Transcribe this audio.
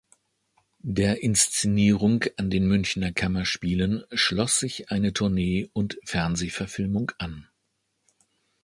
Der Inszenierung an den Münchner Kammerspielen schloss sich eine Tournee und Fernsehverfilmung an.